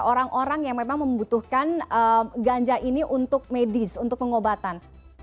orang orang yang memang membutuhkan ganja ini untuk medis untuk pengobatan